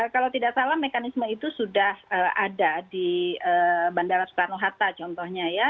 kalau tidak salah mekanisme itu sudah ada di bandara soekarno hatta contohnya ya